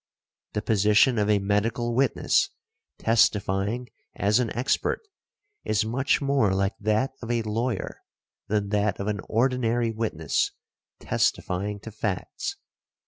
The position of a medical witness testifying as an expert is much more like that of a lawyer than that of an ordinary witness testifying to facts.